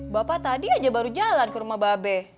bapak tadi aja baru jalan ke rumah mba be